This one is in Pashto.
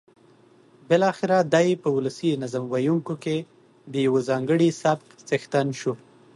بالاخره دی په ولسي نظم ویونکیو کې د یوه ځانګړي سبک څښتن شو.